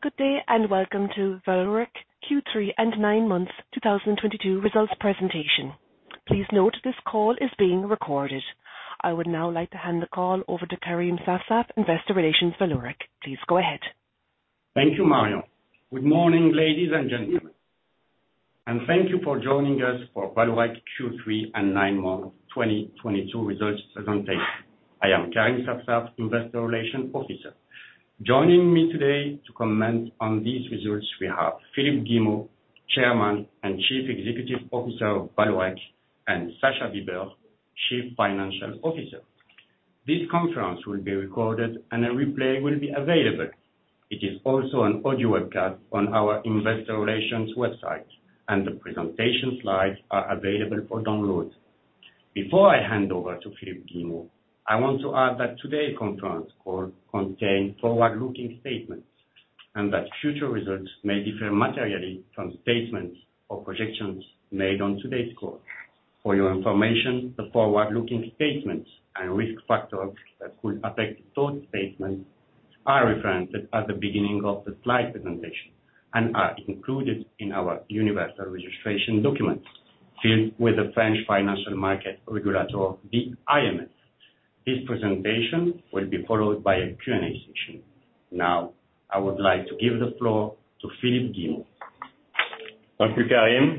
Good day, welcome to Vallourec Q3 and Nine-Months 2022 Results Presentation. Please note this call is being recorded. I would now like to hand the call over to Karim Safsaf, Investor Relations Vallourec. Please go ahead. Thank you, Marion. Good morning, ladies and gentlemen, and thank you for joining us for Vallourec Q3 and Nine-Month 2022 Results Presentation. I am Karim Safsaf, Investor Relations Officer. Joining me today to comment on these results we have Philippe Guillemot, Chairman and Chief Executive Officer of Vallourec, and Sascha Bibert, Chief Financial Officer. This conference will be recorded and a replay will be available. It is also an audio webcast on our investor relations website, and the presentation slides are available for download. Before I hand over to Philippe Guillemot, I want to add that today conference call contain forward-looking statements, and that future results may differ materially from statements or projections made on today's call. For your information, the forward-looking statements and risk factors that could affect those statements are referenced at the beginning of the slide presentation and are included in our Universal Registration Document filed with the Autorité des marchés financiers, the AMF. This presentation will be followed by a Q&A session. I would like to give the floor to Philippe Guillemot. Thank you, Karim.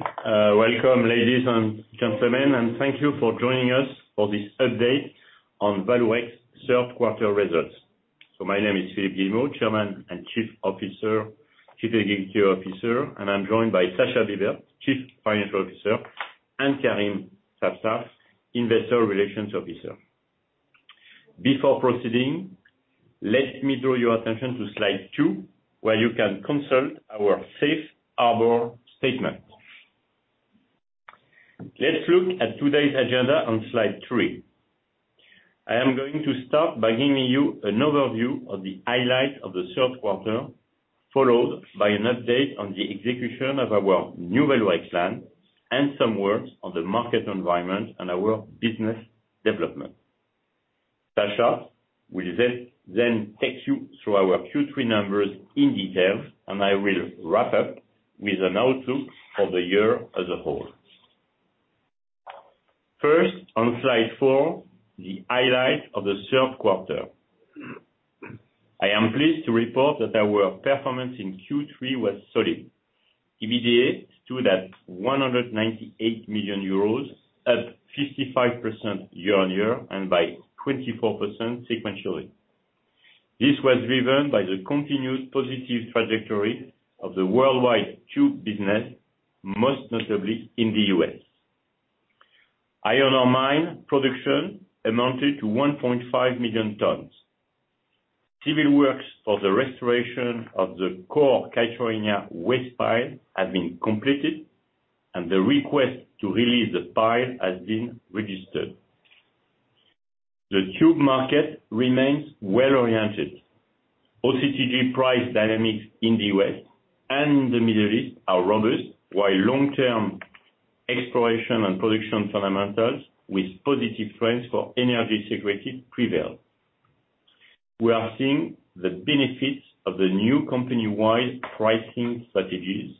Welcome ladies and gentlemen, and thank you for joining us for this update on Vallourec 3rd quarter results. My name is Philippe Guillemot, Chairman and Chief Executive Officer, and I'm joined by Sascha Bibert, Chief Financial Officer, and Karim Safsaf, Investor Relations Officer. Before proceeding, let me draw your attention to slide 2, where you can consult our Safe Harbor Statement. Let's look at today's agenda on slide 3. I am going to start by giving you an overview of the highlights of the 3rd quarter, followed by an update on the execution of our New Vallourec Plan and some words on the market environment and our business development. Sascha will then take you through our Q3 numbers in detail, and I will wrap up with an outlook for the year as a whole. On slide four, the highlight of the third quarter. I am pleased to report that our performance in Q3 was solid. EBITDA stood at 198 million euros, up 55% year-on-year and by 24% sequentially. This was driven by the continued positive trajectory of the worldwide Tube Business, most notably in the U.S. Iron ore mine production amounted to 1.5 million tons. Civil Works for the restoration of the Cachoeira waste pile has been completed, and the request to release the pile has been registered. The tube market remains well-oriented. OCTG price dynamics in the U.S. and the Middle East are robust, while long-term exploration and production fundamentals with positive trends for energy security prevail. We are seeing the benefits of the new company-wide pricing strategies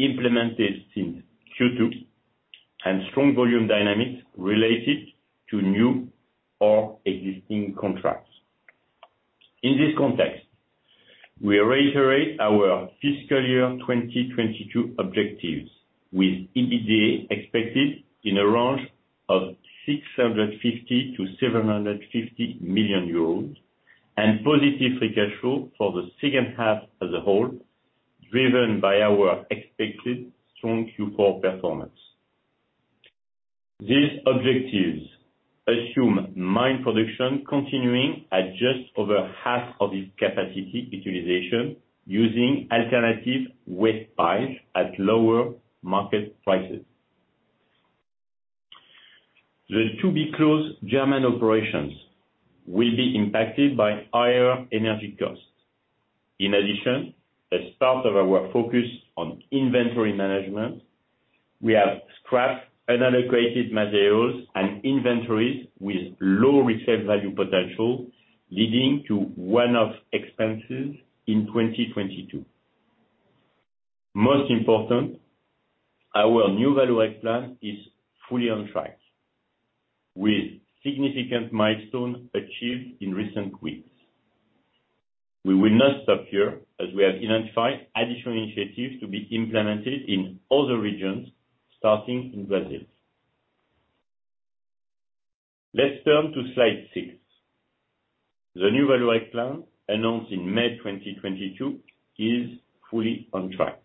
implemented since Q2, and strong volume dynamics related to new or existing contracts. In this context, we reiterate our FY 2022 objectives with EBITDA expected in a range of 650 million-750 million euros and positive free cash flow for the second half as a whole, driven by our expected strong Q4 performance. These objectives assume mine production continuing at just over half of its capacity utilization using alternative waste piles at lower market prices. The to-be-closed German operations will be impacted by higher energy costs. In addition, as part of our focus on inventory management, we have scrapped unallocated materials and inventories with low resale value potential, leading to one-off expenses in 2022. Most important, our New Vallourec Plan is fully on track with significant milestones achieved in recent weeks. We will not stop here, as we have identified additional initiatives to be implemented in other regions, starting in Brazil. Let's turn to slide 6. The New Vallourec Plan announced in May 2022 is fully on track.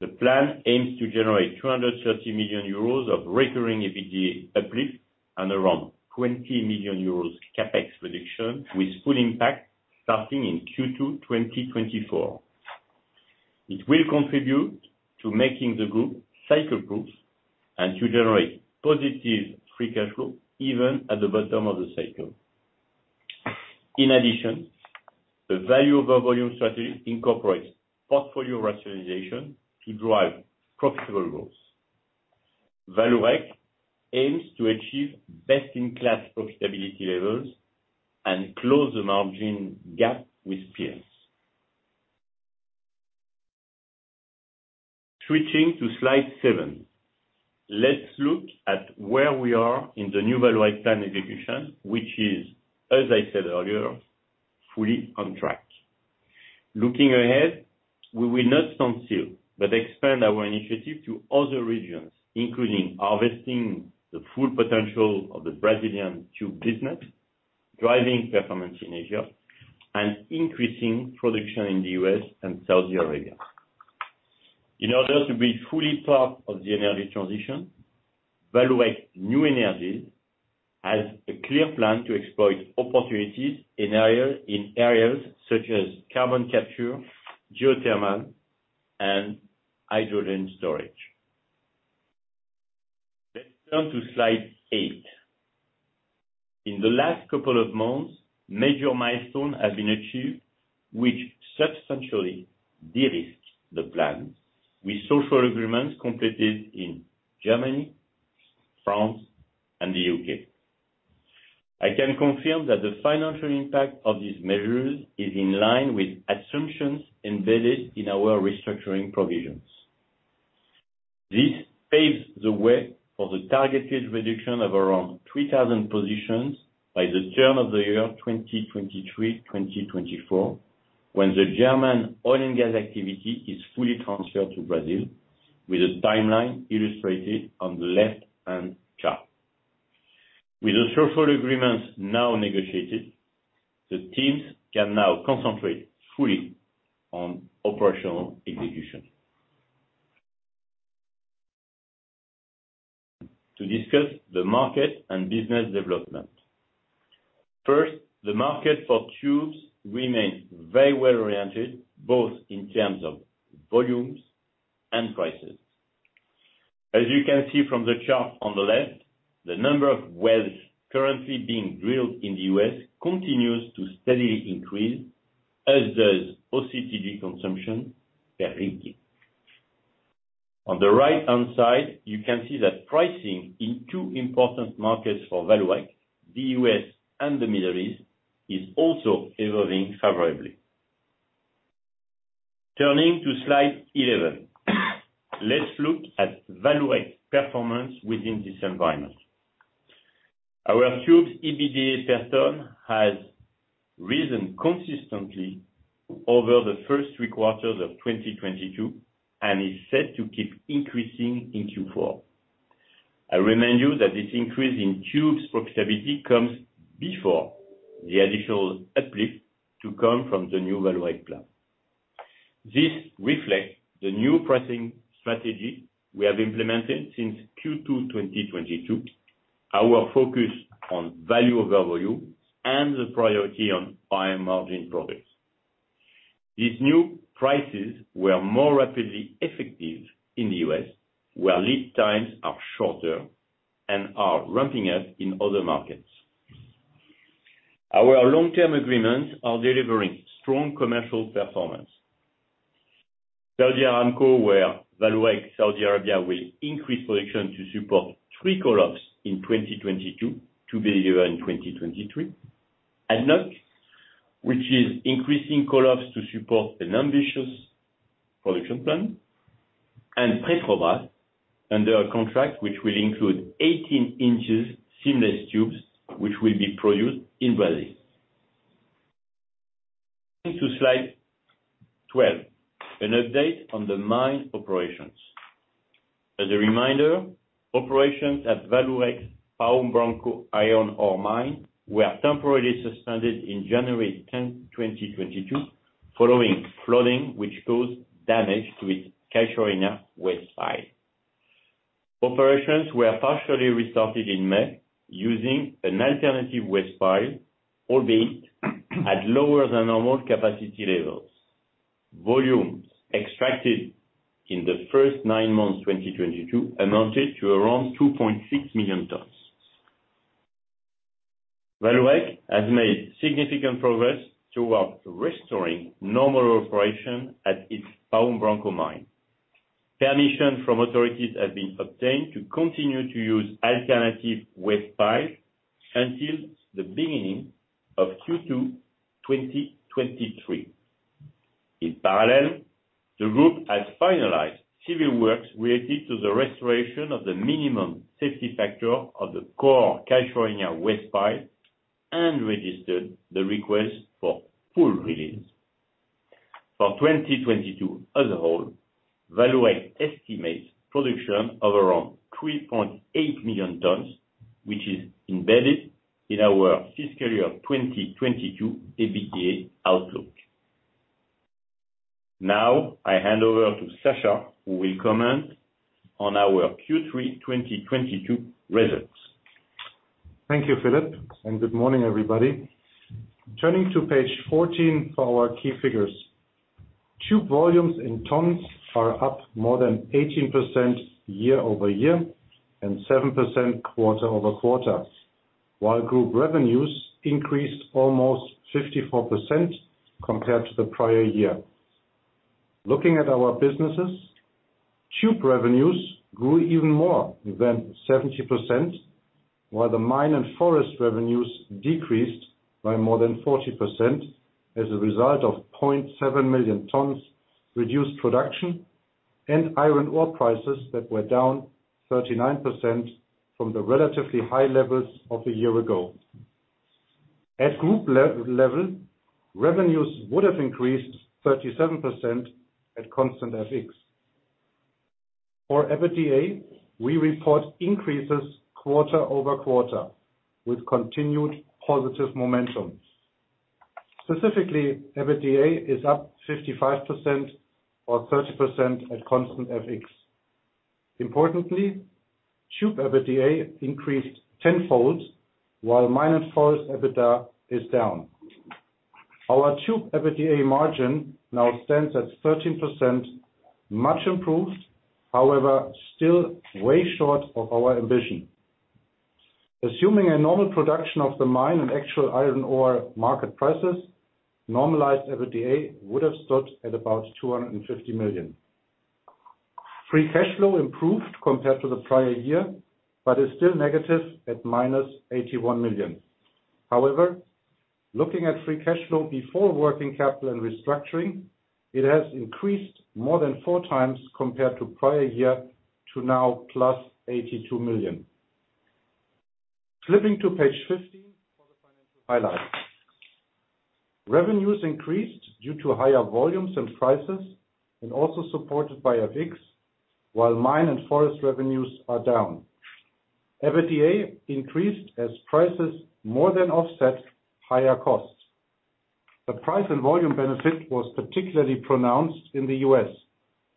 The plan aims to generate 230 million euros of recurring EBITDA uplift and around 20 million euros CapEx reduction with full impact starting in Q2 2024. It will contribute to making the group cycle proof and to generate positive free cash flow even at the bottom of the cycle. In addition, the Value Over Volume Strategy incorporates portfolio rationalization to drive profitable growth. Vallourec aims to achieve best in class profitability levels and close the margin gap with peers. Switching to slide 7. Let's look at where we are in the New Vallourec Plan execution, which is, as I said earlier, fully on track. Looking ahead, we will not stand still, but expand our initiative to other regions, including harvesting the full potential of the Brazilian Tube Business, driving performance in Asia, and increasing production in the U.S. and Saudi Arabia. In order to be fully part of the energy transition, Vallourec New Energies has a clear plan to exploit opportunities in areas such as carbon capture, geothermal, and hydrogen storage. Let's turn to slide 8. In the last couple of months, major milestone have been achieved, which substantially de-risks the plan with social agreements completed in Germany, France, and the U.K. I can confirm that the financial impact of these measures is in line with assumptions embedded in our restructuring provisions. This paves the way for the targeted reduction of around 3,000 positions by the turn of the year 2023, 2024, when the German oil and gas activity is fully transferred to Brazil with the timeline illustrated on the left-hand chart. With the social agreements now negotiated, the teams can now concentrate fully on operational execution. To discuss the market and business development. First, the market for tubes remains very well oriented, both in terms of volumes and prices. As you can see from the chart on the left, the number of wells currently being drilled in the U.S. continues to steadily increase, as does OCTG consumption per rig. On the right-hand side, you can see that pricing in two important markets for Vallourec, the U.S. and the Middle East, is also evolving favorably. Turning to slide 11, let's look at Vallourec performance within this environment. Our tubes EBITDA per ton has risen consistently over the first three quarters of 2022 and is set to keep increasing in Q4. I remind you that this increase in tubes profitability comes before the additional uplift to come from the New Vallourec Plan. This reflects the new pricing strategy we have implemented since Q2 2022, our focus on value over volume, and the priority on higher margin products. These new prices were more rapidly effective in the U.S., where lead times are shorter and are ramping up in other markets. Our Long-Term Agreements are delivering strong commercial performance. Saudi Aramco, where Vallourec Saudi Arabia will increase production to support three cohorts in 2022, to be delivered in 2023. ADNOC, which is increasing cohorts to support an ambitious production plan, and Petrobras under a contract which will include 18 inches Seamless Tubes, which will be produced in Brazil. Slide 12, an update on the mine operations. As a reminder, operations at Vallourec's Pau Branco iron ore mine were temporarily suspended in January 10, 2022, following flooding which caused damage to its Cachoeira waste pile. Operations were partially restarted in May using an alternative waste pile, albeit at lower than normal capacity levels. Volumes extracted in the first 9 months, 2022, amounted to around 2.6 million tons. Vallourec has made significant progress towards restoring normal operation at its Pau Branco mine. Permission from authorities has been obtained to continue to use alternative waste pile until the beginning of Q2 2023. In parallel, the group has finalized Civil Works related to the restoration of the minimum safety factor of the core Cachoeira waste pile and registered the request for full release. For 2022 as a whole, Vallourec estimates production of around 3.8 million tons, which is embedded in our FY 2022 EBITDA outlook. I hand over to Sascha, who will comment on our Q3 2022 results. Thank you, Philippe. Good morning, everybody. Turning to page 14 for our key figures. Tube volumes in tons are up more than 18% year-over-year and 7% quarter-over-quarter, while group revenues increased almost 54% compared to the prior year. Looking at our businesses, tube revenues grew even more than 70%, while the mine and forest revenues decreased by more than 40% as a result of 0.7 million tons reduced production and iron ore prices that were down 39% from the relatively high levels of a year ago. At group level, revenues would have increased 37% at constant FX. For EBITDA, we report increases quarter-over-quarter with continued positive momentum. Specifically, EBITDA is up 55% or 30% at constant FX. Importantly, tube EBITDA increased tenfold while mine and forest EBITDA is down. Our tube EBITDA margin now stands at 13%, much improved, however, still way short of our ambition. Assuming a normal production of the mine and actual iron ore market prices, normalized EBITDA would have stood at about 250 million. Free cash flow improved compared to the prior year, but is still negative at -81 million. However, looking at free cash flow before working capital and restructuring, it has increased more than four times compared to prior year to now +82 million. Flipping to page 15 for the financial highlights. Revenues increased due to higher volumes and prices and also supported by FX, while mine and forest revenues are down. EBITDA increased as prices more than offset higher costs. The price and volume benefit was particularly pronounced in the U.S.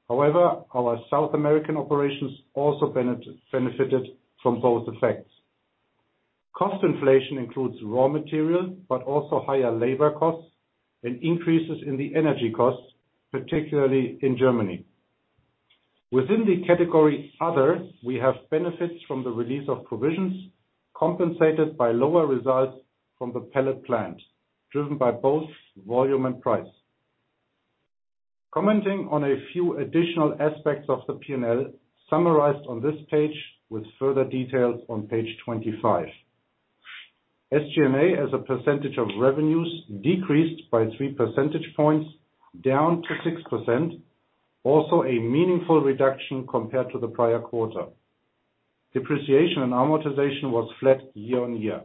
However, our South American operations also benefited from both effects. Cost inflation includes raw material, higher labor costs and increases in the energy costs, particularly in Germany. Within the category other, we have benefits from the release of provisions compensated by lower results from the pellet plant, driven by both volume and price. Commenting on a few additional aspects of the P&L summarized on this page with further details on page 25. SG&A, as a percentage of revenues, decreased by 3 percentage points down to 6%, a meaningful reduction compared to the prior quarter. Depreciation and amortization was flat year-over-year.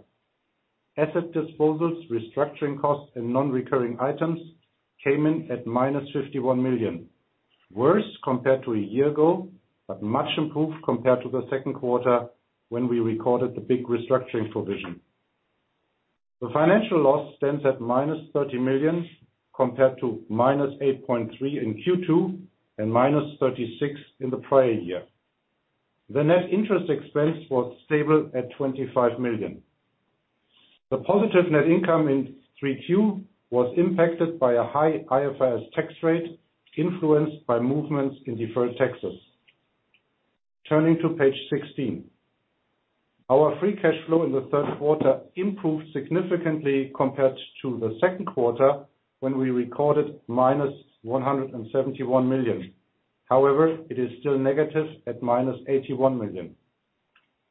Asset disposals, restructuring costs, non-recurring items came in at -51 million, worse compared to a year ago, much improved compared to the second quarter when we recorded the big restructuring provision. The financial loss stands at -30 million compared to -8.3 million in Q2 and -36 million in the prior year. The net interest expense was stable at 25 million. The positive net income in 3Q was impacted by a high IFRS tax rate influenced by movements in deferred taxes. Turning to page 16. Our free cash flow in the third quarter improved significantly compared to the second quarter when we recorded -171 million. It is still negative at -81 million.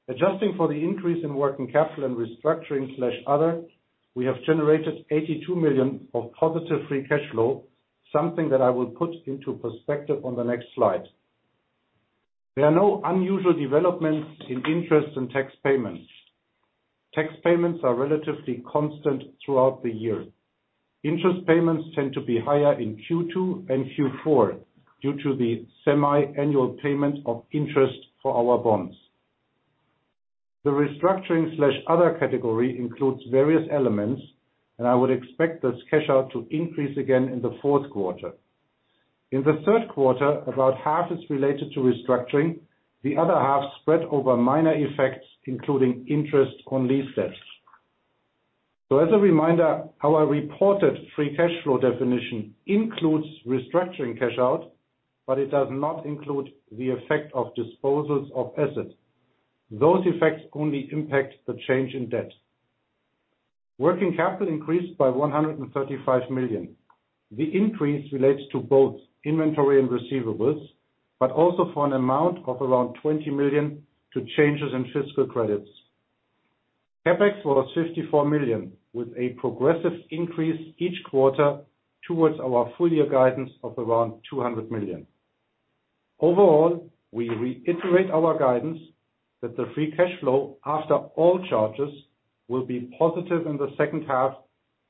Adjusting for the increase in working capital and restructuring/other, we have generated 82 million of positive free cash flow, something that I will put into perspective on the next slide. There are no unusual developments in interest and tax payments. Tax payments are relatively constant throughout the year. Interest payments tend to be higher in Q2 and Q4 due to the semi-annual payment of interest for our bonds. The restructuring/other category includes various elements, and I would expect this cash out to increase again in the fourth quarter. In the third quarter, about half is related to restructuring, the other half spread over minor effects, including interest on lease debts. As a reminder, our reported free cash flow definition includes restructuring cash out, but it does not include the effect of disposals of assets. Those effects only impact the change in debt. Working capital increased by 135 million. The increase relates to both inventory and receivables, but also for an amount of around 20 million to changes in fiscal credits. CapEx was 54 million, with a progressive increase each quarter towards our full year guidance of around 200 million. Overall, we reiterate our guidance that the free cash flow after all charges will be positive in the second half,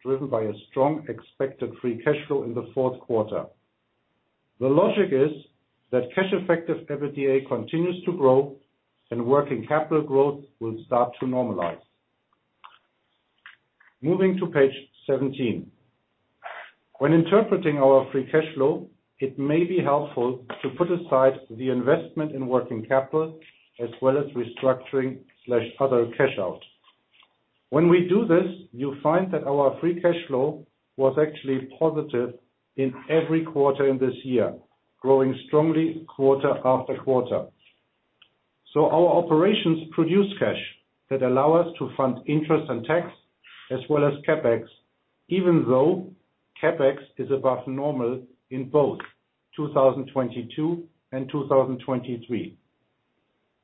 driven by a strong expected free cash flow in the fourth quarter. The logic is that cash effective EBITDA continues to grow and working capital growth will start to normalize. Moving to page 17. When interpreting our free cash flow, it may be helpful to put aside the investment in working capital as well as restructuring/other cash out. When we do this, you'll find that our free cash flow was actually positive in every quarter in this year, growing strongly quarter after quarter. Our operations produce cash that allow us to fund interest and tax as well as CapEx, even though CapEx is above normal in both 2022 and 2023.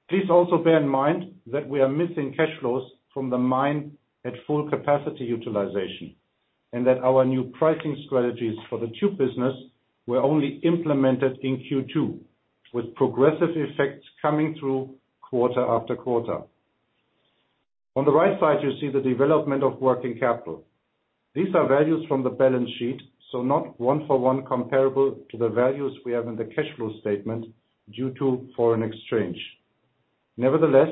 Please also bear in mind that we are missing cash flows from the mine at full capacity utilization, and that our new pricing strategies for the Tube Business were only implemented in Q2, with progressive effects coming through quarter after quarter. On the right side, you see the development of working capital. These are values from the balance sheet, not one-for-one comparable to the values we have in the cash flow statement due to foreign exchange. Nevertheless,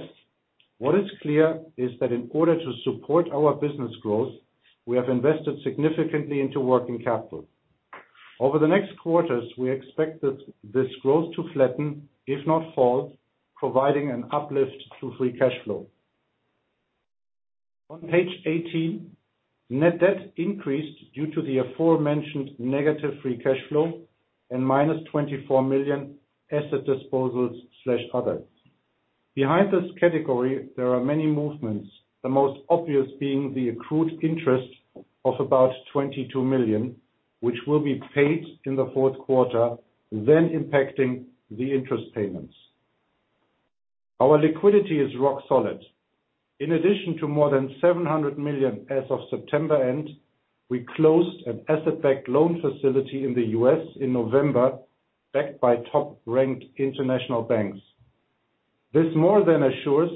what is clear is that in order to support our business growth, we have invested significantly into working capital. Over the next quarters, we expect this growth to flatten, if not fall, providing an uplift to free cash flow. On page 18, net debt increased due to the aforementioned negative free cash flow and minus 24 million asset disposals/others. Behind this category, there are many movements, the most obvious being the accrued interest of about 22 million, which will be paid in the fourth quarter, then impacting the interest payments. Our liquidity is rock solid. In addition to more than 700 million as of September end, we closed an asset-backed loan facility in the U.S. in November, backed by top-ranked international banks. This more than assures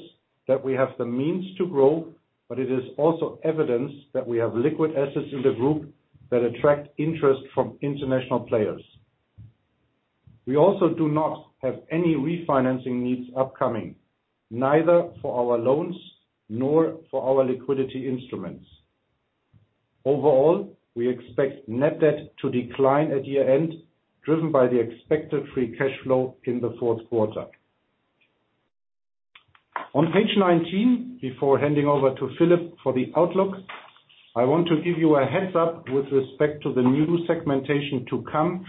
that we have the means to grow, but it is also evidence that we have liquid assets in the group that attract interest from international players. We also do not have any refinancing needs upcoming, neither for our loans nor for our liquidity instruments. Overall, we expect net debt to decline at year-end, driven by the expected free cash flow in the fourth quarter. On page 19, before handing over to Philippe for the outlook, I want to give you a heads-up with respect to the new segmentation to come,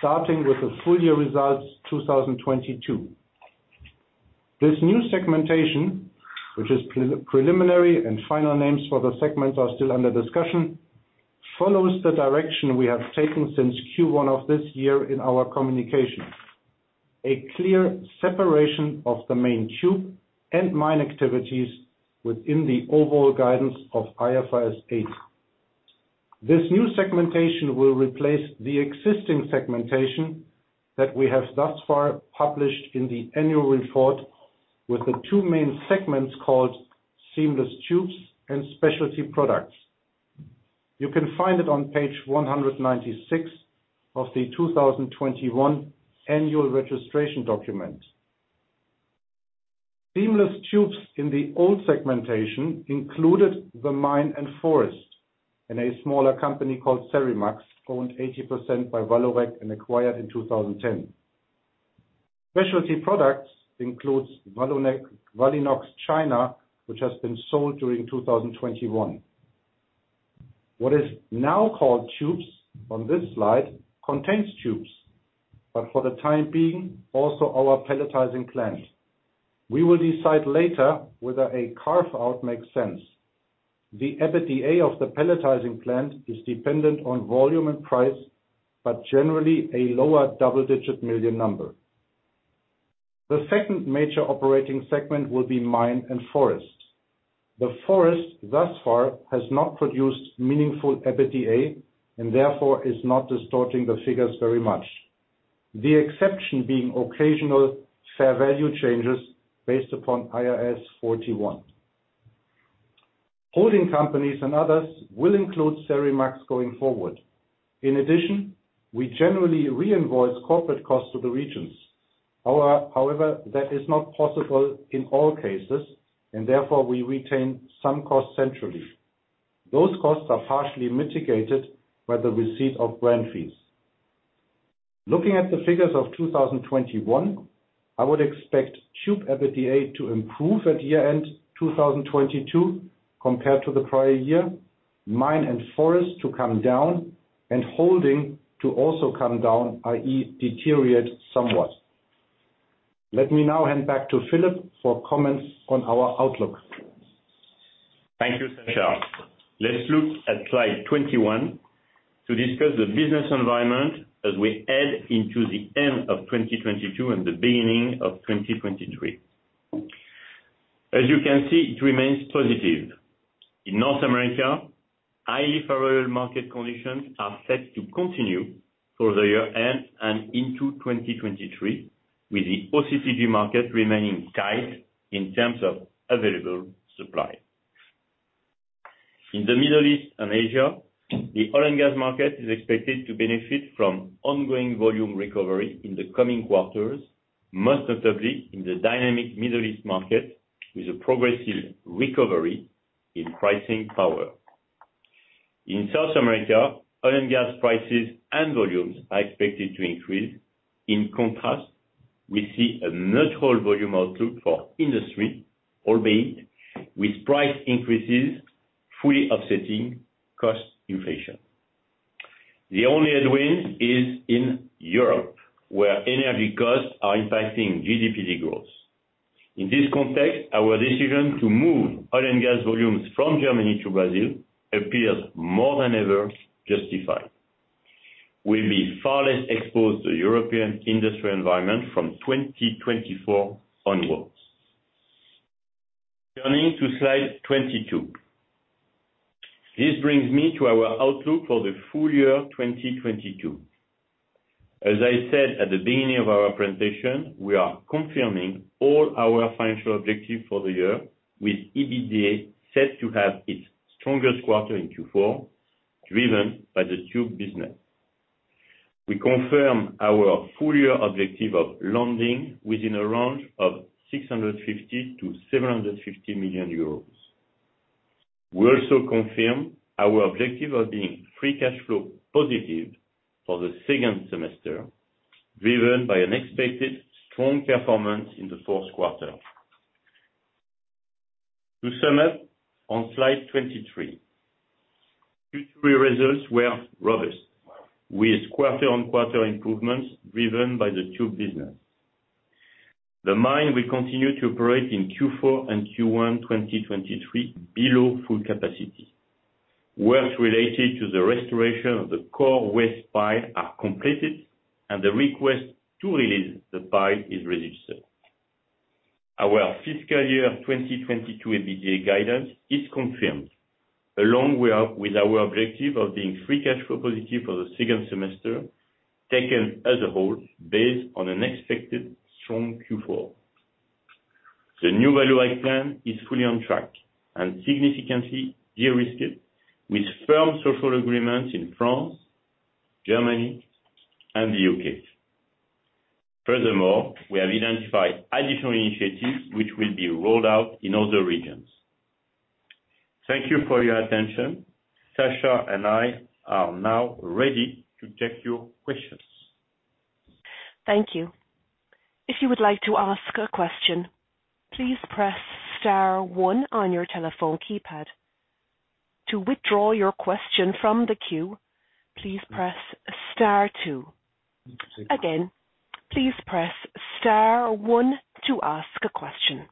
starting with the full year results 2022. This new segmentation, which is pre-preliminary and final names for the segments are still under discussion, follows the direction we have taken since Q1 of this year in our communication. A clear separation of the main tube and mine activities within the overall guidance of IFRS 8. This new segmentation will replace the existing segmentation that we have thus far published in the annual report with the two main segments called Seamless Tubes and Specialty Products. You can find it on page 196 of the 2021 Universal Registration Document. Seamless Tubes in the old segmentation included the Mine and Forest, and a smaller company called Serimax, owned 80% by Vallourec and acquired in 2010. Specialty Products includes Vallinox China, which has been sold during 2021. What is now called Tubes on this slide contains tubes, but for the time being, also our pelletizing plant. We will decide later whether a carve-out makes sense. The EBITDA of the pelletizing plant is dependent on volume and price, but generally a lower EUR double-digit million number. The second major operating segment will be Mine and Forest. The forest thus far has not produced meaningful EBITDA, and therefore is not distorting the figures very much. The exception being occasional fair value changes based upon IAS 41. Holding companies and others will include Serimax going forward. We generally reinvoice corporate costs to the regions. How however, that is not possible in all cases, and therefore we retain some costs centrally. Those costs are partially mitigated by the receipt of brand fees. Looking at the figures of 2021, I would expect tube EBITDA to improve at year-end 2022 compared to the prior year, mine and forest to come down, and holding to also come down, i.e., deteriorate somewhat. Let me now hand back to Philippe for comments on our outlook. Thank you, Sascha. Let's look at slide 21 to discuss the business environment as we head into the end of 2022 and the beginning of 2023. As you can see, it remains positive. In North America, highly favorable market conditions are set to continue for the year-end and into 2023, with the OCTG market remaining tight in terms of available supply. In the Middle East and Asia, the oil and gas market is expected to benefit from ongoing volume recovery in the coming quarters, most notably in the dynamic Middle East market, with a progressive recovery in pricing power. In South America, oil and gas prices and volumes are expected to increase. In contrast, we see a natural volume outlook for industry, albeit with price increases fully offsetting cost inflation. The only headwind is in Europe, where energy costs are impacting GDPD growth. In this context, our decision to move oil and gas volumes from Germany to Brazil appears more than ever justified. We'll be far less exposed to European industrial environment from 2024 onwards. Turning to slide 22. This brings me to our outlook for the full year 2022. As I said at the beginning of our presentation, we are confirming all our financial objectives for the year, with EBITDA set to have its strongest quarter in Q4, driven by the Tube Business. We confirm our full year objective of lending within a range of 650 million-750 million euros. We also confirm our objective of being free cash flow positive for the second semester, driven by an expected strong performance in the fourth quarter. To sum up on slide 23. Q3 results were robust, with quarter-on-quarter improvements driven by the Tube Business. The mine will continue to operate in Q4 and Q1 2023 below full capacity. Works related to the restoration of the core waste pile are completed. The request to release the pile is registered. Our FY 2022 EBITDA guidance is confirmed, along with our objective of being free cash flow positive for the second semester, taken as a whole based on an expected strong Q4. The New Vallourec Plan is fully on track and significantly de-risked, with firm social agreements in France, Germany, and the U.K. Furthermore, we have identified additional initiatives which will be rolled out in other regions. Thank you for your attention. Sascha and I are now ready to take your questions. Thank you. If you would like to ask a question, please press star one on your telephone keypad. To withdraw your question from the queue, please press star two. Again, please press star one to ask a question.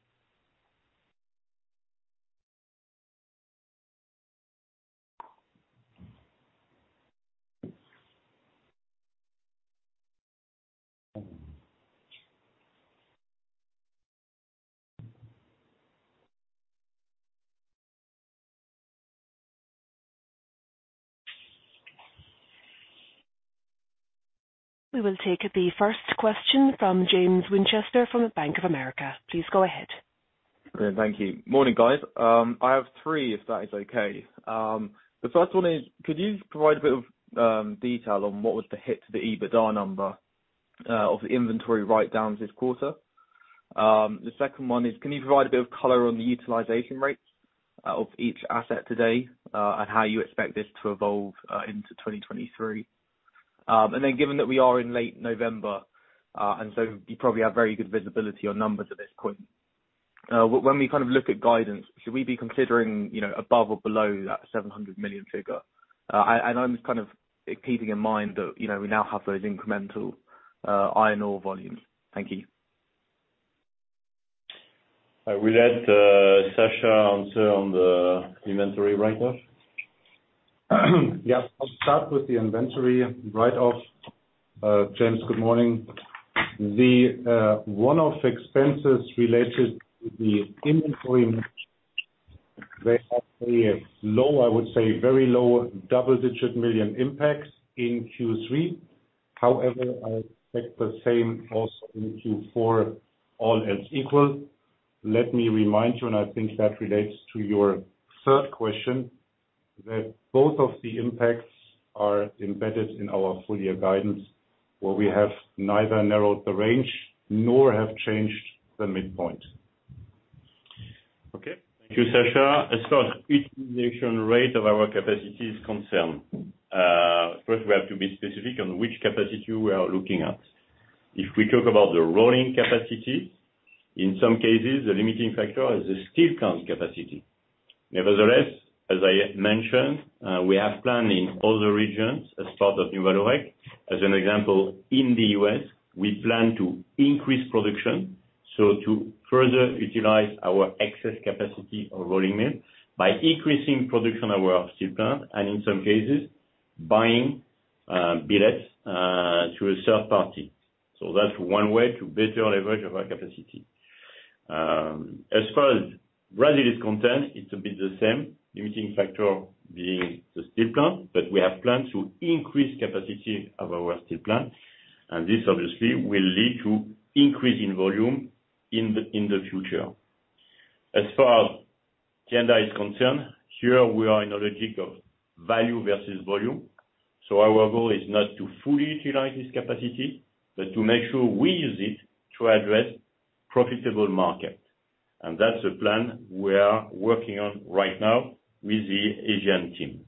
We will take the first question from James Winchester from the Bank of America. Please go ahead. Thank you. Morning, guys. I have three, if that is okay. The first one is, could you provide a bit of detail on what was the hit to the EBITDA number of the Inventory Write-Downs this quarter? The second one is, can you provide a bit of color on the utilization rates of each asset today, and how you expect this to evolve into 2023? Given that we are in late November, you probably have very good visibility on numbers at this point. When we kind of look at guidance, should we be considering, you know, above or below that 700 million figure? I'm kind of keeping in mind that, you know, we now have those incremental iron ore volumes. Thank you. I will let Sascha answer on the inventory write-off. I'll start with the inventory write-off. James, good morning. The one-off expenses related to the inventory, they have a low, I would say very low double-digit million impacts in Q3. I expect the same also in Q4, all else equal. Let me remind you, I think that relates to your third question, that both of the impacts are embedded in our full year guidance, where we have neither narrowed the range nor have changed the midpoint. Okay. Thank you, Sascha. As far as each utilization rate of our capacity is concerned, first we have to be specific on which capacity we are looking at. If we talk about the rolling capacity, in some cases, the limiting factor is the steel count capacity. Nevertheless, as I mentioned, we have planned in all the regions as part of New Vallourec Plan. As an example, in the U.S., we plan to increase production, so to further utilize our excess capacity of rolling mill by increasing production of our steel plant, and in some cases, buying billets to a third party. That's one way to better leverage our capacity. As far as Brazil is concerned, it's a bit the same, limiting factor being the steel plant, but we have plans to increase capacity of our steel plant, and this obviously will lead to increase in volume in the, in the future. As far as Canada is concerned, here we are in a logic of Value Versus Volume. Our goal is not to fully utilize this capacity, but to make sure we use it to address profitable market. That's the plan we are working on right now with the Asian team.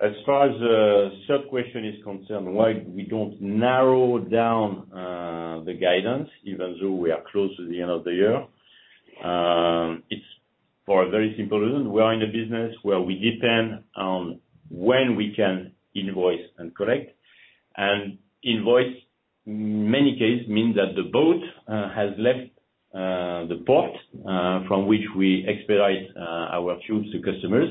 As far as the third question is concerned, why we don't narrow down the guidance even though we are close to the end of the year. It's for a very simple reason. We are in a business where we depend on when we can invoice and collect. Invoice, many case mean that the boat has left the port from which we expedite our tubes to customers,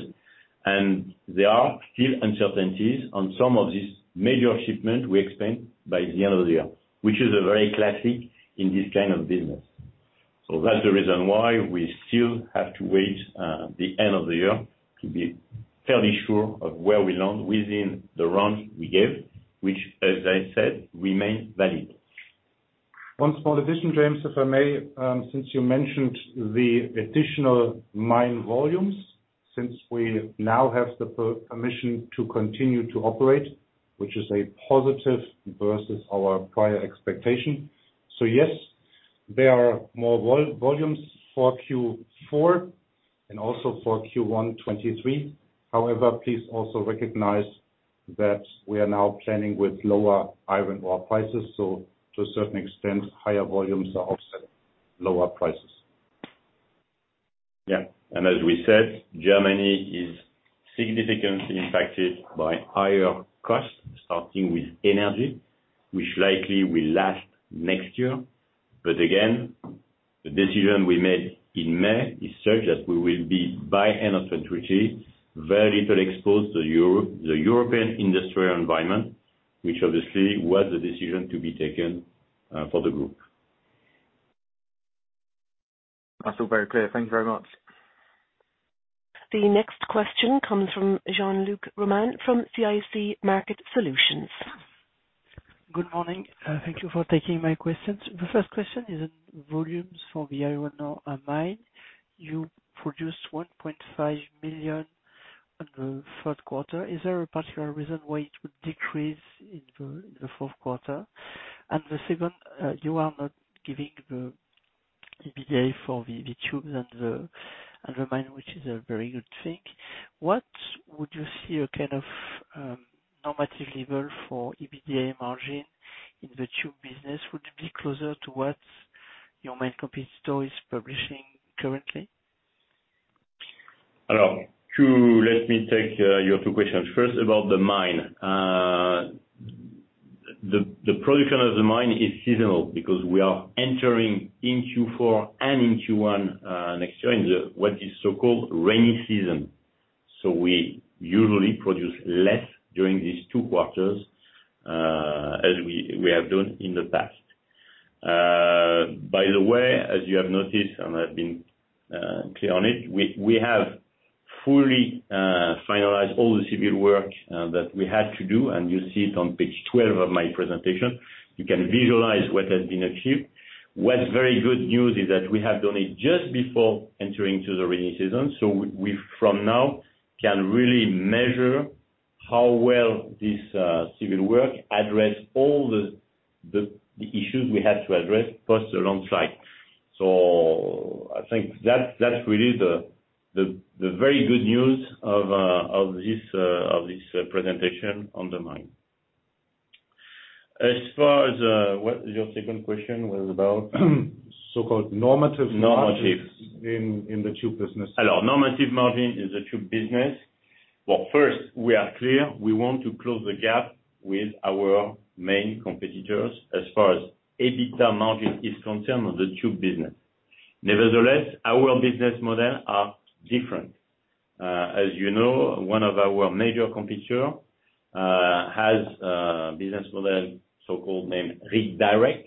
and there are still uncertainties on some of these major shipment we expect by the end of the year, which is a very classic in this kind of business. That's the reason why we still have to wait the end of the year to be fairly sure of where we land within the range we gave, which, as I said, remains valid. One small addition, James, if I may, since you mentioned the additional mine volumes, since we now have the permission to continue to operate, which is a positive versus our prior expectation. Yes, there are more volumes for Q4 and also for Q1 2023. Please also recognize that we are now planning with lower iron ore prices, to a certain extent, higher volumes are offsetting lower prices. Yeah. As we said, Germany is significantly impacted by higher costs, starting with energy, which likely will last next year. Again, the decision we made in May is such that we will be, by end of 2023, very little exposed to the European industrial environment, which obviously was the decision to be taken for the group. That's all very clear. Thank you very much. The next question comes from Jean-Luc Romain from CIC Market Solutions. Good morning. Thank you for taking my questions. The first question is on volumes for the iron ore mine. You produced 1.5 million on the third quarter. Is there a particular reason why it would decrease in the fourth quarter? The second, you are not giving the EBITDA for the tubes and the mine, which is a very good thing. What would you see a kind of normative level for EBITDA margin in the Tube Business? Would it be closer to what your main competitor is publishing currently? Hello. Let me take your two questions. First, about the mine. The production of the mine is seasonal because we are entering in Q4 and in Q1 next year in the, what is so-called rainy season. We usually produce less during these two quarters, as we have done in the past. By the way, as you have noticed, and I've been clear on it, we have fully finalized all the Civil Work that we had to do, and you see it on page 12 of my presentation. You can visualize what has been achieved. What's very good news is that we have done it just before entering to the rainy season. We from now can really measure how well this Civil Work address all the issues we had to address post the landslide. I think that's really the very good news of this presentation on the mine. As far as what your second question was about... Called normative margins. Normative ...in the Tube Business. Hello. Normative margin in the Tube Business. Well, first, we are clear we want to close the gap with our main competitors as far as EBITDA margin is concerned on the Tube Business. Our business model are different. As you know, one of our major competitor has a business model so-called named Tenaris,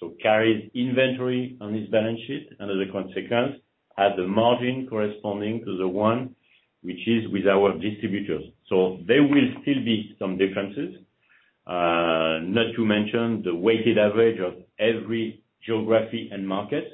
so carries inventory on its balance sheet, and as a consequence, has a margin corresponding to the one which is with our distributors. There will still be some differences, not to mention the weighted average of every geography and market.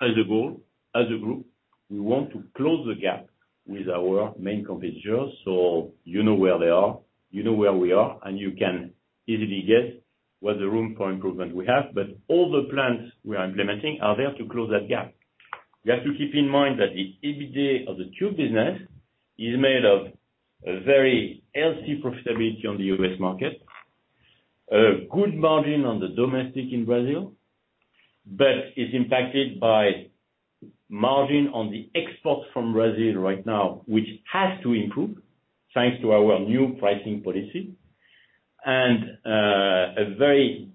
As a goal, as a group, we want to close the gap with our main competitors. You know where they are, you know where we are, and you can easily guess what the room for improvement we have. All the plans we are implementing are there to close that gap. You have to keep in mind that the EBITDA of the Tube Business is made of a very healthy profitability on the U.S. market, a good margin on the domestic in Brazil, but is impacted by margin on the export from Brazil right now, which has to improve thanks to our new Pricing Policy, and a very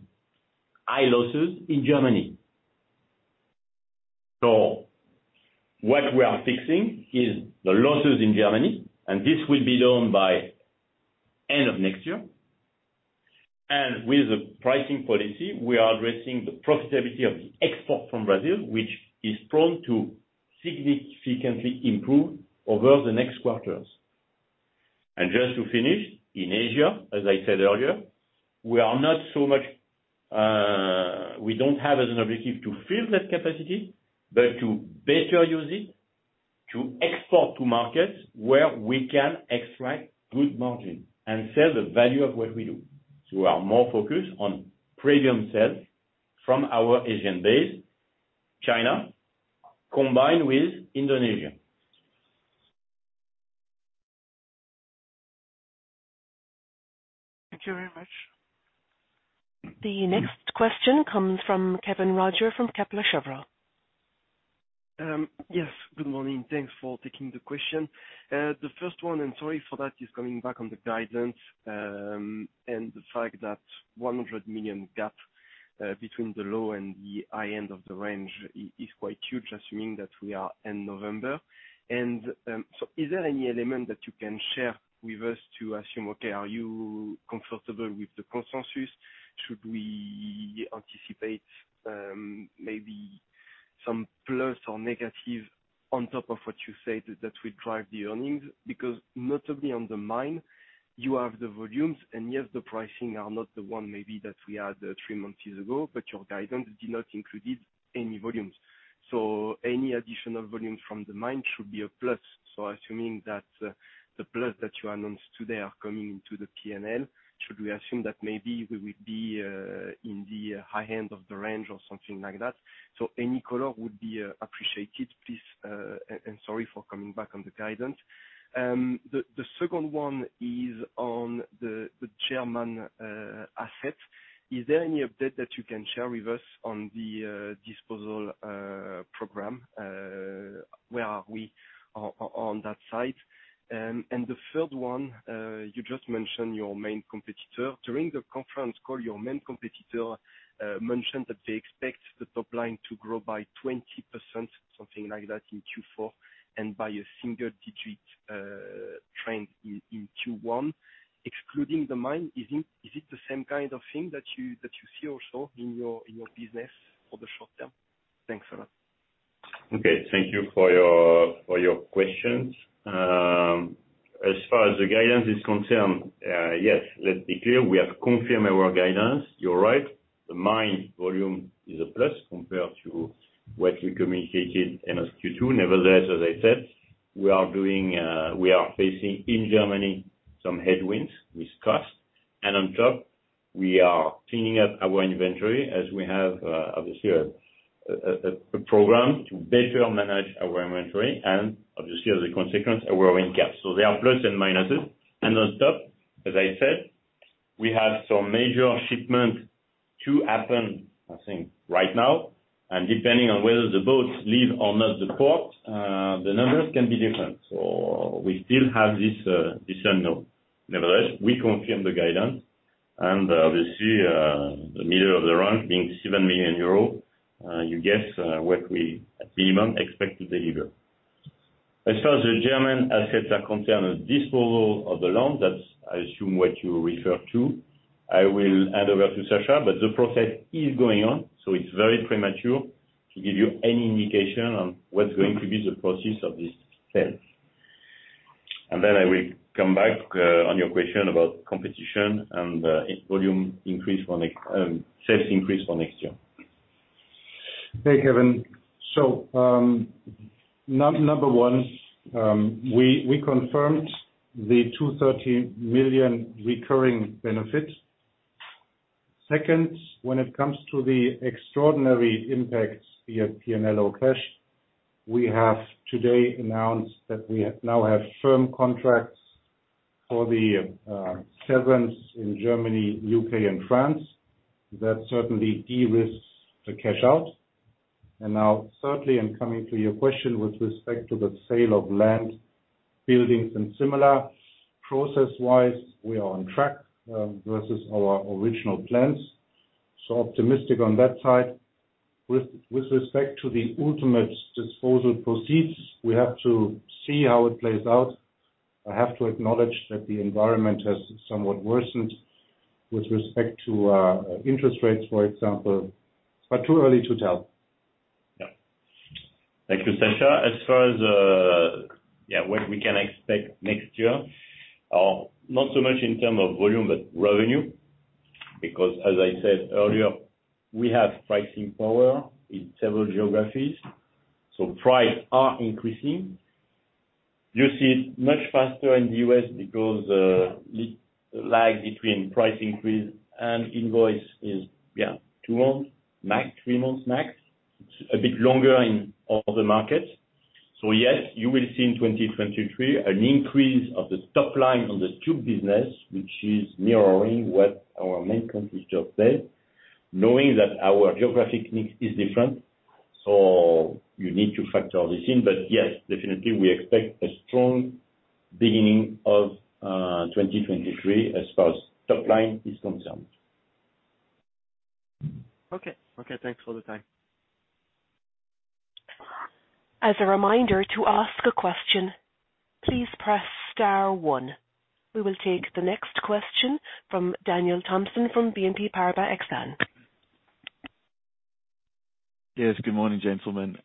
high losses in Germany. What we are fixing is the losses in Germany, and this will be done by end of next year. With the Pricing Policy, we are addressing the profitability of the export from Brazil, which is prone to significantly improve over the next quarters. Just to finish, in Asia, as I said earlier, we are not so much, we don't have as an objective to fill that capacity, but to better use it to export to markets where we can extract good margin and sell the value of what we do. We are more focused on premium sales from our Asian base, China, combined with Indonesia. The next question comes from Kévin Roger from Kepler Cheuvreux. Yes. Good morning. Thanks for taking the question. The first one, and sorry for that, is coming back on the guidance, and the fact that 100 million gap between the low and the high end of the range is quite huge, assuming that we are in November. Is there any element that you can share with us to assume, okay, are you comfortable with the consensus? Should we anticipate maybe some plus or negative on top of what you said that will drive the earnings? Notably on the mine, you have the volumes, and yes, the pricing are not the one maybe that we had three months ago, but your guidance did not included any volumes. Any additional volumes from the mine should be a plus. Assuming that the plus that you announced today are coming into the P&L, should we assume that maybe we will be in the high end of the range or something like that? Any color would be appreciated, please. Sorry for coming back on the guidance. The second one is on the German asset. Is there any update that you can share with us on the disposal program? Where are we on that side? The third one, you just mentioned your main competitor. During the conference call, your main competitor mentioned that they expect the top line to grow by 20%, something like that, in Q4, and by a single digit trend in Q1. Excluding the mine, is it the same kind of thing that you see also in your business for the short term? Thanks a lot. Okay. Thank you for your questions. As far as the guidance is concerned, yes, let's be clear, we have confirmed our guidance. You're right, the mine volume is a plus compared to what we communicated in Q2. Nevertheless, as I said, we are facing, in Germany, some headwinds with cost. On top, we are cleaning up our inventory as we have obviously a program to better manage our inventory, and obviously as a consequence, our wind gaps. There are plus and minuses. On top, as I said, we have some major shipment to happen, I think, right now. Depending on whether the boats leave or not the port, the numbers can be different. We still have this unknown. Nevertheless, we confirm the guidance. Obviously, the middle of the run being 7 million euros, you guess what we at Biman expect to deliver. As far as the German assets are concerned, the disposal of the land, that's I assume what you refer to, I will hand over to Sascha, but the process is going on, so it's very premature to give you any indication on what's going to be the process of this sale. Then I will come back on your question about competition and its sales increase for next year. Hey, Kevin. Number one, we confirmed the 230 million recurring benefit. Second, when it comes to the extraordinary impact via P&L or cash, we have today announced that we now have firm contracts for the severance in Germany, U.K. and France. That certainly de-risks the cash out. Thirdly, coming to your question with respect to the sale of land, buildings and similar, process-wise, we are on track versus our original plans. Optimistic on that side. With respect to the ultimate disposal proceeds, we have to see how it plays out. I have to acknowledge that the environment has somewhat worsened with respect to interest rates, for example, too early to tell. Thank you, Sascha. As far as what we can expect next year, not so much in term of volume, but revenue. As I said earlier, we have pricing power in several geographies, so price are increasing. You see it much faster in the U.S. because lag between price increase and invoice is two months, max three months max. It's a bit longer in other markets. Yes, you will see in 2023 an increase of the top line on the Tube Business, which is mirroring what our main competitor said, knowing that our geographic mix is different, so you need to factor this in. Yes, definitely we expect a strong beginning of 2023 as far as top line is concerned. Okay. Okay, thanks for the time. As a reminder, to ask a question, please press star one. We will take the next question from Daniel Thompson from BNP Paribas Exane. Yes, good morning, gentlemen.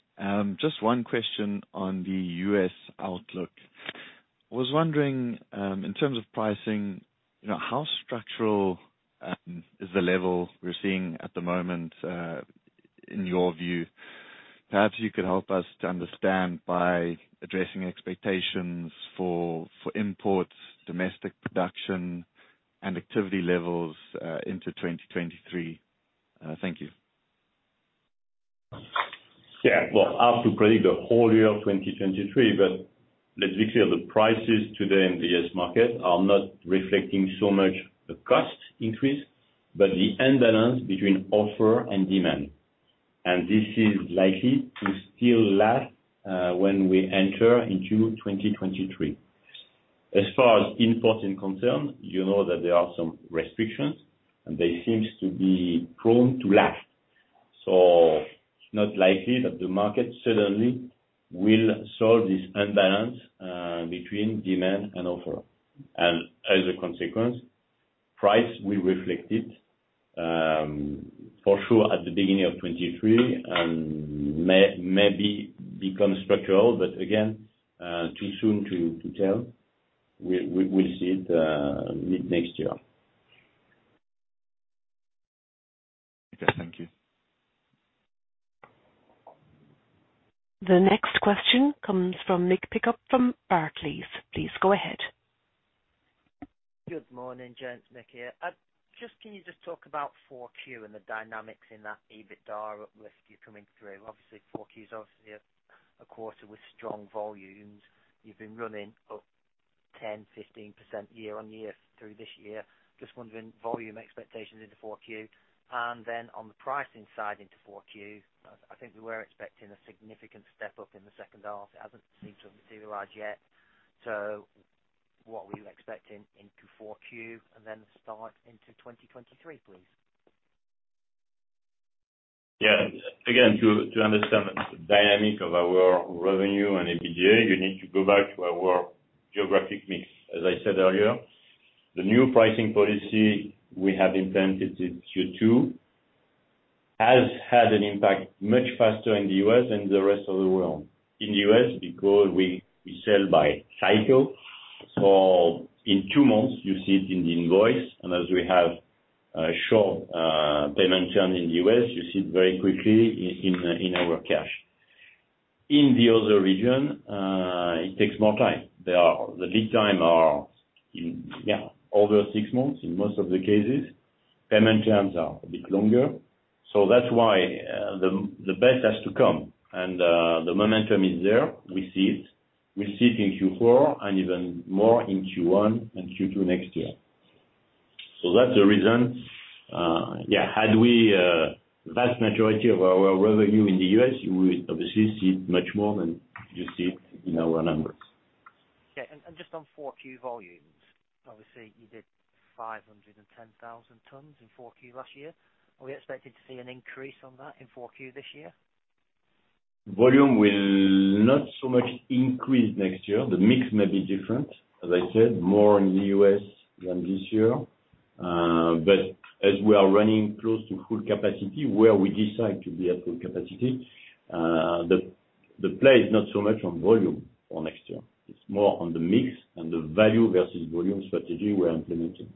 Just one question on the U.S. outlook. I was wondering, in terms of pricing, you know, how structural is the level we're seeing at the moment, in your view? Perhaps you could help us to understand by addressing expectations for imports, domestic production and activity levels into 2023. Thank you. Yeah, well, hard to predict the whole year of 2023, but let's be clear, the prices today in the U.S. market are not reflecting so much the cost increase, but the imbalance between offer and demand. This is likely to still last, when we enter into 2023. As far as imports are concerned, you know that there are some restrictions, and they seems to be prone to last. It's not likely that the market suddenly will solve this unbalance, between demand and offer. As a consequence, price will reflect it, for sure at the beginning of 2023 and maybe become structural. Again, too soon to tell. We will see it mid next year. Okay, thank you. The next question comes from Mick Pickup from Barclays. Please go ahead. Good morning, gents. Mick here. Just can you just talk about 4Q and the dynamics in that EBITDA uplift you're coming through? Obviously, 4Q's obviously a quarter with strong volumes. You've been running up 10%-15% year-over-year through this year. Just wondering volume expectations into 4Q. And then on the pricing side into 4Q, I think we were expecting a significant step up in the second half. It hasn't seemed to have materialized yet. What were you expecting into 4Q and then the start into 2023, please? Yeah. Again, to understand the dynamic of our revenue and EBITDA, you need to go back to our geographic mix. As I said earlier, the new Pricing Policy we have implemented in Q2 has had an impact much faster in the U.S. than the rest of the world. In the U.S., because we sell by cycle, so in two months you see it in the invoice. As we have a short payment term in the U.S., you see it very quickly in our cash. In the other region, it takes more time. The Lead Time are in, yeah, over six months in most of the cases, payment terms are a bit longer. That's why the best has to come. The momentum is there. We see it. We see it in Q4 and even more in Q1 and Q2 next year. That's the reason. Yeah, had we a vast majority of our revenue in the U.S., you will obviously see it much more than you see it in our numbers. Yeah. Just on 4Q volumes, obviously you did 510,000 tons in 4Q last year. Are we expecting to see an increase on that in 4Q this year? Volume will not so much increase next year. The mix may be different. As I said, more in the U.S. than this year. As we are running close to full capacity where we decide to be at full capacity, the play is not so much on volume for next year, it's more on the mix and the Value Versus Volume Strategy we're implementing.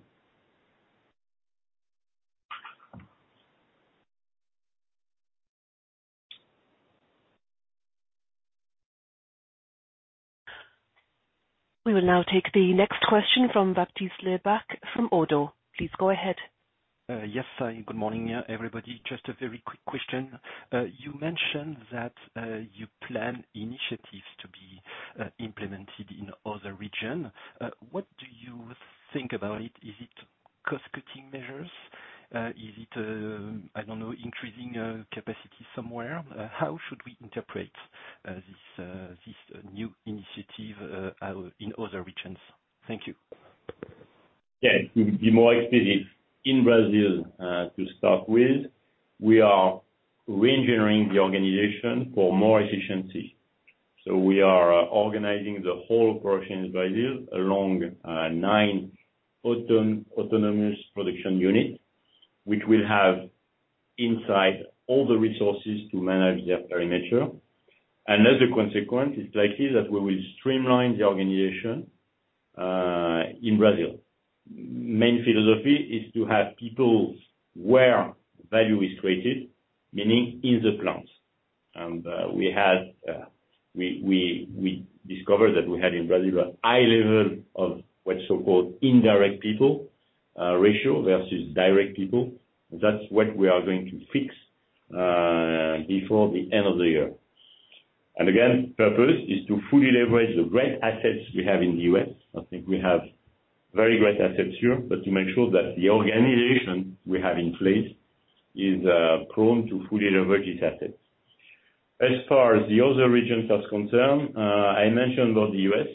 We will now take the next question from Baptiste Lebacq from Oddo. Please go ahead. Yes. Good morning, everybody. Just a very quick question. You mentioned that you plan initiatives to be implemented in other region. What do you think about it? Is it cost cutting measures? Is it, I don't know, increasing capacity somewhere? How should we interpret this new initiative in other regions? Thank you. Yeah. To be more explicit, in Brazil, to start with, we are reengineering the organization for more efficiency. We are organizing the whole operation in Brazil along 9 autonomous production units, which will have inside all the resources to manage their perimeter. As a consequence, it's likely that we will streamline the organization in Brazil. Main philosophy is to have people where value is created, meaning in the plants. We had, we discovered that we had in Brazil a high level of what's so-called indirect people ratio versus direct people. That's what we are going to fix before the end of the year. Again, purpose is to fully leverage the great assets we have in the U.S. I think we have very great assets here, to make sure that the organization we have in place is prone to fully leverage its assets. As far as the other regions are concerned, I mentioned about the U.S.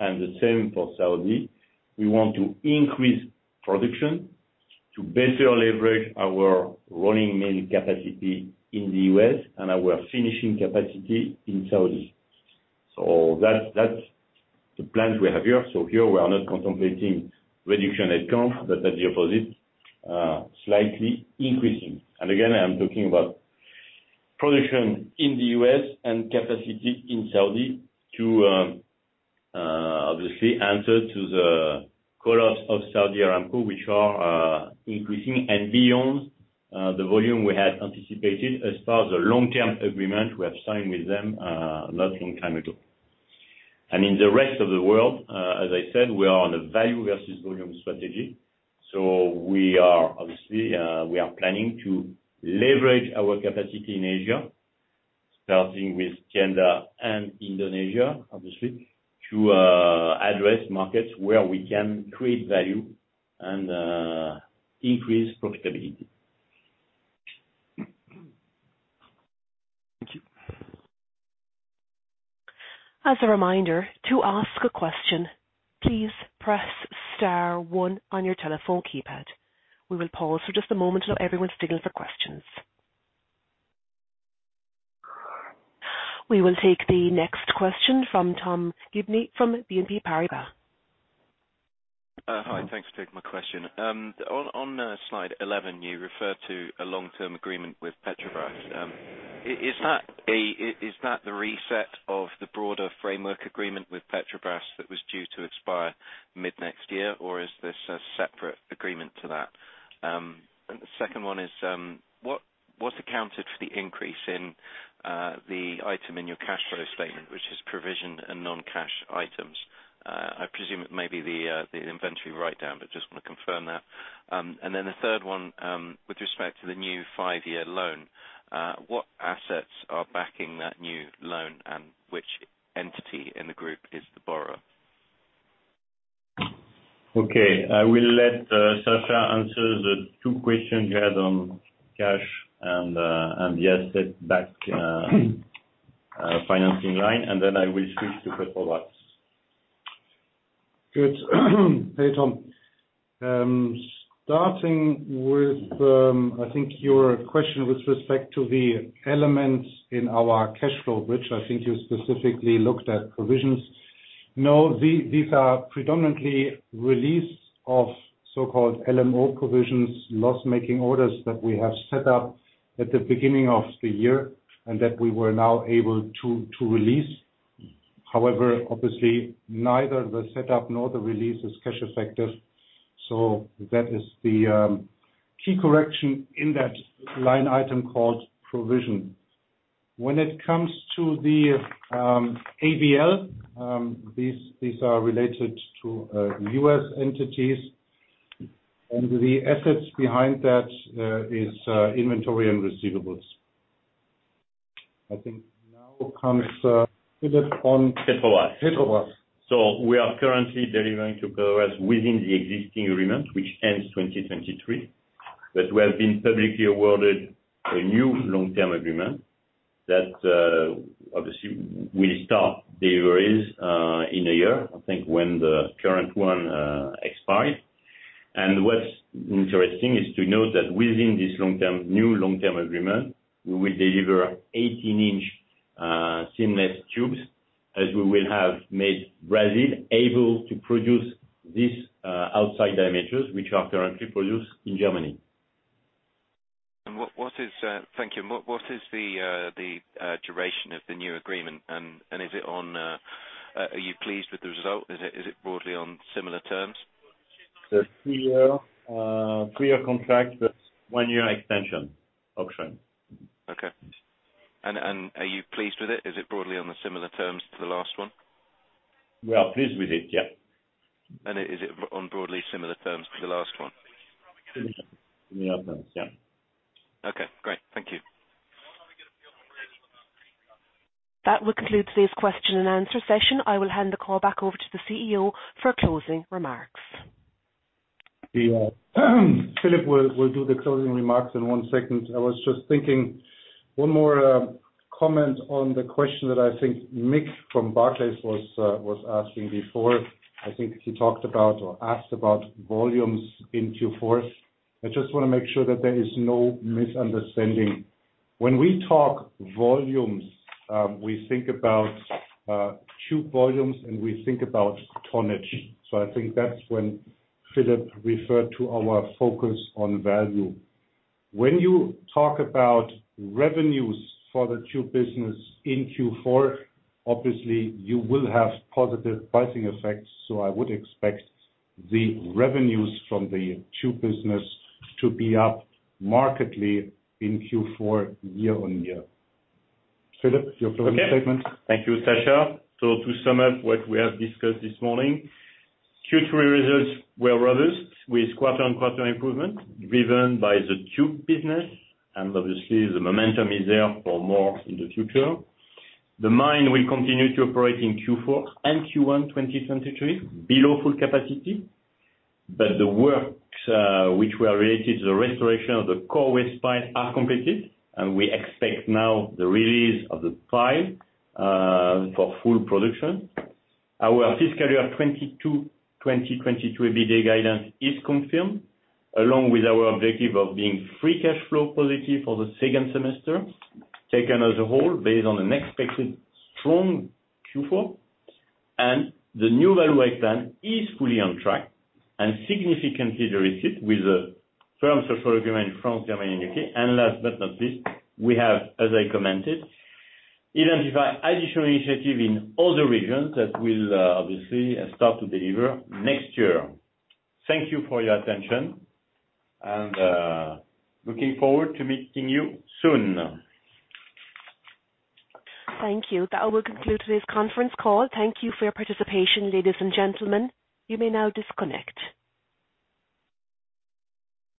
and the same for Saudi. We want to increase production to better leverage our running mill capacity in the U.S. and our finishing capacity in Saudi. That's the plans we have here. Here we are not contemplating reduction head count, but the opposite, slightly increasing. Again, I am talking about production in the U.S. and capacity in Saudi to obviously answer to the calls of Saudi Aramco, which are increasing and beyond the volume we had anticipated as far as the Long-Term Agreement we have signed with them not long time ago. In the rest of the world, as I said, we are on a Value Versus Volume Strategy. We are obviously, we are planning to leverage our capacity in Asia, starting with China and Indonesia, obviously, to address markets where we can create value and increase profitability. Thank you. As a reminder, to ask a question, please press star one on your telephone keypad. We will pause for just a moment while everyone signals for questions. We will take the next question from Tom Gibney from BNP Paribas. Hi. Thanks for taking my question. On, on slide 11, you refer to a Long-Term Agreement with Petrobras. Is that the reset of the broader framework agreement with Petrobras that was due to expire mid-next year? Or is this a separate agreement to that? The second one is, what's accounted for the increase in the item in your cash flow statement, which is provisioned in non-cash items? I presume it may be the Inventory Write-Down, but just wanna confirm that. The third one, with respect to the new five-year loan, what assets are backing that new loan, and which entity in the group is the borrower? Okay. I will let Sascha answer the two questions you had on cash and the Asset-Backed Financing Line, and then I will switch to Petrobras. Good. Hey, Tom. Starting with, I think your question with respect to the elements in our cash flow, which I think you specifically looked at provisions. No, these are predominantly release of so-called LMO provisions, loss-making orders, that we have set up at the beginning of the year and that we were now able to release. Obviously neither the set-up nor the release is cash effective, so that is the key correction in that line item called provision. When it comes to the AVL, these are related to U.S. entities, and the assets behind that is inventory and receivables. I think now comes Philippe. Petrobras. Petrobras. We are currently delivering to Petrobras within the existing agreement, which ends 2023. We have been publicly awarded a new Long-Term Agreement that obviously will start deliveries in a year, I think when the current one expires. What's interesting is to note that within this long-term, new Long-Term Agreement, we will deliver 18-inch Seamless Tubes as we will have made Brazil able to produce these outside diameters, which are currently produced in Germany. What is... Thank you. What is the duration of the new agreement? Is it on, are you pleased with the result? Is it broadly on similar terms? It's a three-year contract with- One-year extension option. Okay. Are you pleased with it? Is it broadly on the similar terms to the last one? We are pleased with it, yeah. Is it on broadly similar terms to the last one? Similar terms, yeah. Okay, great. Thank you. That will conclude today's question and answer session. I will hand the call back over to the CEO for closing remarks. Philippe will do the closing remarks in one second. I was just thinking, one more comment on the question that I think Mick from Barclays was asking before. I think he talked about or asked about volumes in Q4. I just wanna make sure that there is no misunderstanding. When we talk volumes, we think about tube volumes, and we think about tonnage. I think that's when Philippe referred to our focus on value. When you talk about revenues for the Tube Business in Q4, obviously you will have positive pricing effects, so I would expect the revenues from the Tube Business to be up markedly in Q4 year-on-year. Philippe, your closing statement. Okay. Thank you, Sascha. To sum up what we have discussed this morning, Q3 results were robust with quarter-on-quarter improvement driven by the Tube Business, and obviously the momentum is there for more in the future. The mine will continue to operate in Q4 and Q1 2023 below full capacity. The works which were related to the restoration of the core waste pile are completed, and we expect now the release of the pile for full production. Our FY 2022, 2023 EBITDA guidance is confirmed, along with our objective of being free cash flow positive for the second semester, taken as a whole based on an expected strong Q4. The New Vallourec Plan is fully on track and significantly de-risked with the terms of agreement France, Germany, and U.K. Last but not least, we have, as I commented, identified additional initiative in other regions that will obviously start to deliver next year. Thank you for your attention, and looking forward to meeting you soon. Thank you. That will conclude today's conference call. Thank you for your participation, ladies and gentlemen. You may now disconnect.